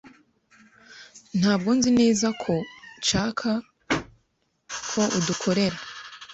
Ntabwo nzi neza ko nshaka ko adukorera.